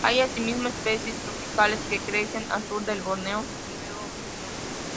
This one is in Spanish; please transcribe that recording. Hay asimismo especies tropicales que crecen al sur de Borneo y Nueva Guinea.